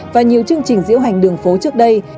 và nhiều chương trình diễu hành đường phố trước đây